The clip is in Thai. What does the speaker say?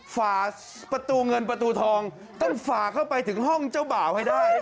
ฝ่าประตูเงินประตูทองต้องฝ่าเข้าไปถึงห้องเจ้าบ่าวให้ได้